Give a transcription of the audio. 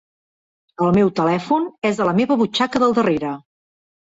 El meu telèfon és a la meva butxaca del darrere.